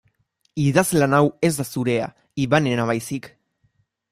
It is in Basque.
Idazlan hau ez da zurea Ivanena baizik.